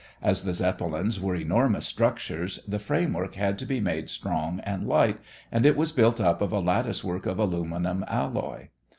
As the Zeppelins were enormous structures, the framework had to be made strong and light, and it was built up of a latticework of aluminum alloy.